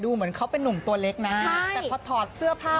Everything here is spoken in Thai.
เหมือนเขาเป็นนุ่มตัวเล็กนะแต่พอถอดเสื้อผ้า